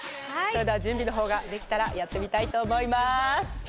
準備のほうができたらやってみたいと思います。